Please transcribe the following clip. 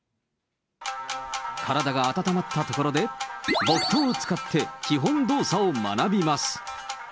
体が暖まったところで、木刀を使って、基本動作を学びます。